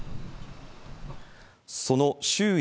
その周囲